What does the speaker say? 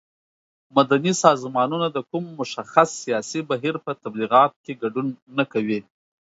مدني سازمانونه د کوم مشخص سیاسي بهیر په تبلیغاتو کې ګډون نه کوي.